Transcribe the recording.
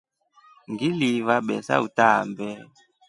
Ngiliiva besa utaambe.